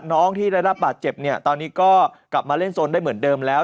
น้องที่ได้รับบาดเจ็บเนี่ยตอนนี้ก็กลับมาเล่นโซนได้เหมือนเดิมแล้ว